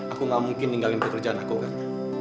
aku gak mungkin ninggalin pekerjaan aku kan